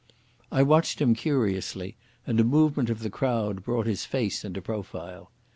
I watched him curiously, and a movement of the crowd brought his face into profile.